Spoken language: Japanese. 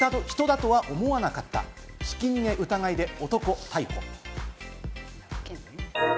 ５位は、人だとは思わなかった、ひき逃げ疑いで男逮捕。